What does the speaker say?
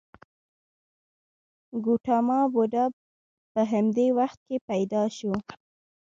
ګوتاما بودا په همدې وخت کې پیدا شو.